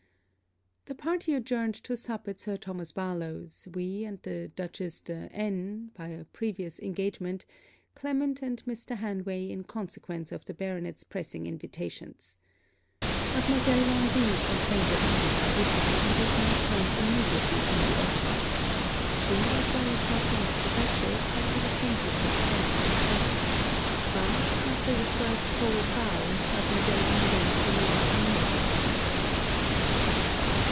The party adjourned to sup at Sir Thomas Barlowe's: we and the Dutchess de N , by a previous engagement, Clement and Mr. Hanway in consequence of the baronet's pressing invitations. Mademoiselle Laundy complained of indisposition, and returned home immediately from the opera. She, as well as her friend the Dutchess, had been acquainted with Clement in Paris; but, after the first cold bow, Mademoiselle Laundy remained unnoticed by him.